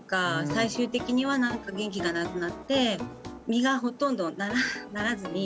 最終的には何か元気がなくなって実がほとんどならずに。